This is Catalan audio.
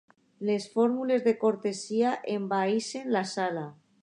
Les fórmules de cortesia envaeixen la sala.